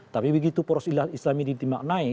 tapi begitu poros ilah islam ini dimaknai